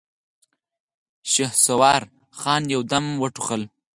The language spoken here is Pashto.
شهسوار خان يودم وټوخل.